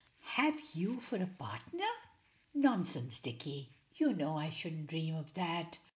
Have you for a partner! Nonsense, Dicky, you know I shouldn't dream of that.